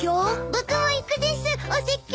僕も行くですお説教。